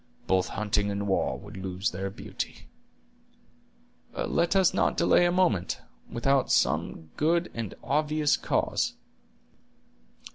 Both hunting and war would lose their beauty." "Let us not delay a moment, without some good and obvious cause."